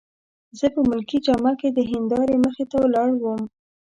زه په ملکي جامه کي د هندارې مخې ته ولاړ وم.